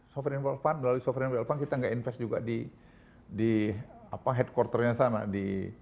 sovereign wealth fund melalui sovereign wealth fund kita nggak invest juga di di apa headquarternya sana di